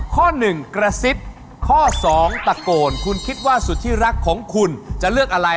ข้อหนึ่งกระซิบข้อ๒ตะโกนคุณคิดว่าสุดที่รักของคุณจะเลือกอะไร